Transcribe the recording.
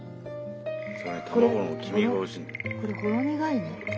これほろ苦いね。